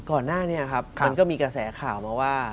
ก่อนหน้านี้ครับมันก็มีกระแสข่าวมาว่า